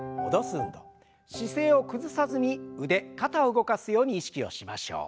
姿勢を崩さずに腕肩を動かすように意識をしましょう。